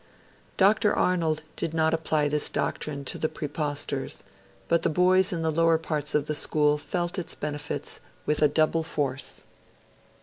Dr. Arnold did not apply this doctrine to the Praepostors, but the boys in the lower parts of the school felt its benefits, with a double force.